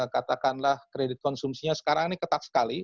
katakanlah kredit konsumsinya sekarang ini ketat sekali